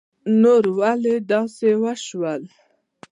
نو ولی داسی وشول